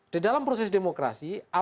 di dalam proses demokrasi